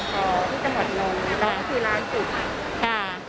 อ๋อที่จังหวัดนนท์แล้วก็คือร้านสุขค่ะ